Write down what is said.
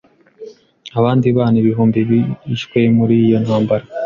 Abandi bana ibihumbi bishwe muri iyo ntambara.